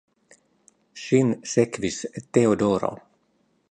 Ŝin sekvis Teodoro.